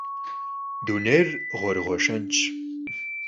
Dunêyr ğuerığue şşentş.